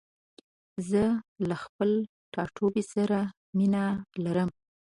زه له خپل ټاټوبي سره مينه لرم.